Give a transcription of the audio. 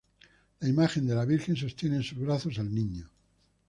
La imagen de la Virgen sostiene en sus brazos al Niño.